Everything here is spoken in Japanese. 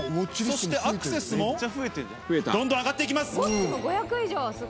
そしてアクセスもどんどん上がっていきます。